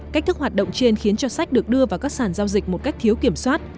cách thức hoạt động trên khiến cho sách được đưa vào các sản giao dịch một cách thiếu kiểm soát